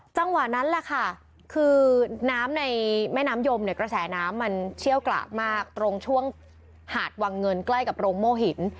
จังหวะนั้นแหละค่ะคือน้ำในแม่น้ำยมเนี่ยกระแสน้ำมันเชี่ยวกระมากตรงช่วงหาดวังเงินใกล้กับโรงโม่หิน